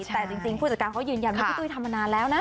แต่จริงผู้จัดการเขายืนยันว่าพี่ตุ้ยทำมานานแล้วนะ